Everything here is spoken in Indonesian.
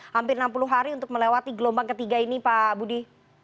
hampir enam puluh hari untuk melewati gelombang ketiga ini pak budi